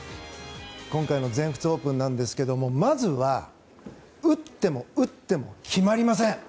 今回の全仏オープンなんですがまずは打っても打っても決まりません。